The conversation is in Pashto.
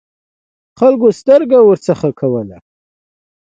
خلکو سترګه ورڅخه کوله.